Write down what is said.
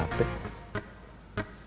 kok debbie gak main main hp